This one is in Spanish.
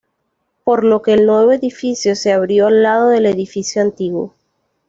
Por lo que el nuevo edificio se abrió al lado del edificio antiguo.